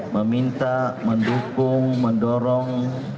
meminta mendukung mendorong